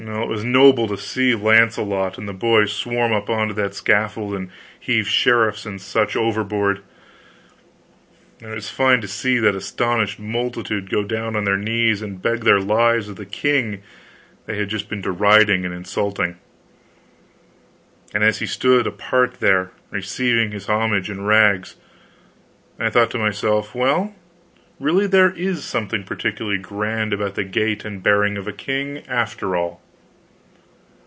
Well, it was noble to see Launcelot and the boys swarm up onto that scaffold and heave sheriffs and such overboard. And it was fine to see that astonished multitude go down on their knees and beg their lives of the king they had just been deriding and insulting. And as he stood apart there, receiving this homage in rags, I thought to myself, well, really there is something peculiarly grand about the gait and bearing of a king, after all.